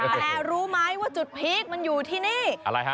แต่รู้ไหมว่าจุดพีคมันอยู่ที่นี่อะไรฮะ